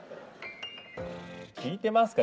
聞いてますか？